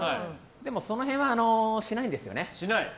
でも、その辺はしないんですよね。